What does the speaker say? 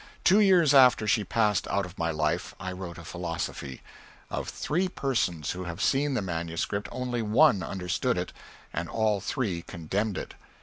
Two years after she passed out of my life I wrote a Philosophy. Of the three persons who have seen the manuscript only one understood it, and all three condemned it.